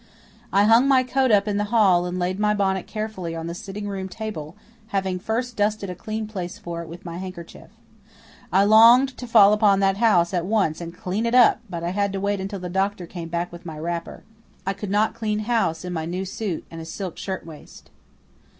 I hung my coat up in the hall and laid my bonnet carefully on the sitting room table, having first dusted a clean place for it with my handkerchief. I longed to fall upon that house at once and clean it up, but I had to wait until the doctor came back with my wrapper. I could not clean house in my new suit and a silk shirtwaist.